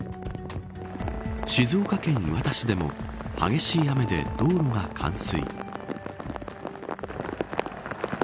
静岡県磐田市でも激しい雨で道路が冠水。